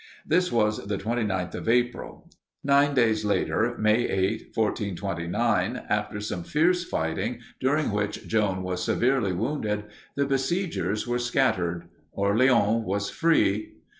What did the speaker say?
This was the twenty ninth of April. Nine days later, May 8, 1429, after some fierce fighting, during which Joan was severely wounded, the besiegers were scattered. Orleans was free.